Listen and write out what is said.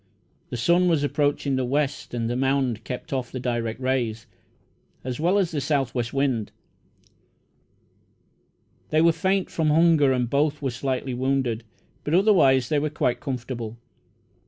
The sun was approaching the west, and the mound kept off the direct rays, as well as the south west wind. They were faint from hunger, and both were slightly wounded, but otherwise they were quite comfortable.